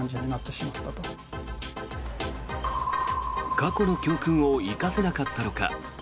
過去の教訓を生かせなかったのか。